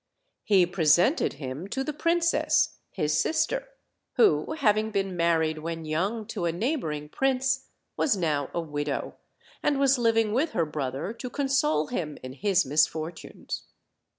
He presented him to the princess, his sister; who, having been married when young to a neighboring prince, was now a widow, and was living with her brother to console him in his misfortunes.